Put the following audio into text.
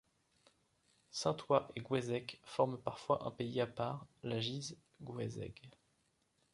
Saint-Thois et Gouézec forme parfois un pays à part, la Giz Gouezeg.